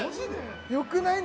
よくない？